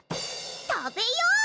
食べよう！